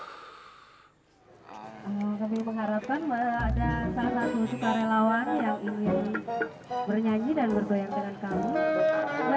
kami pengharapkan ada salah satu sukarelawan yang bernyanyi dan bergoyang dengan kamu